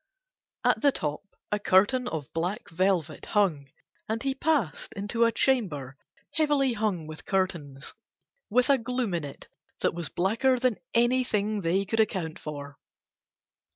At the top a curtain of black velvet hung and he passed into a chamber heavily hung with curtains, with a gloom in it that was blacker than anything they could account for.